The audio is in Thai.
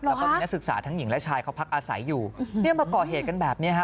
แล้วก็มีนักศึกษาทั้งหญิงและชายเขาพักอาศัยอยู่เนี่ยมาก่อเหตุกันแบบนี้ฮะ